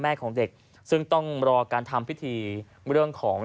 ของเด็กซึ่งต้องรอการทำพิธีเรื่องของ